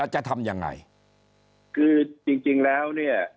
จะทำยังไงคือจริงจริงแล้วเนี่ย